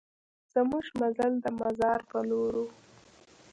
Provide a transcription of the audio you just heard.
زمونږ مزل د مزار په لور و.